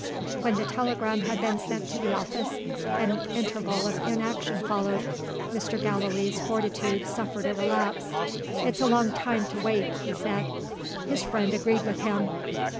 When the telegram had been sent to the office, an interval of inaction followed. Mr. Gallilee's fortitude suffered a relapse. "It's a long time to wait," he said. His friend agreed with him.